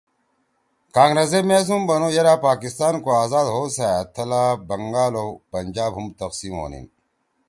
کانگرس ئے میس ہُم بنُو یرأ پاکستان کو آزاد ہؤسأد تھلا بنگال او پنجاب ہُم تقسیم ہونیِن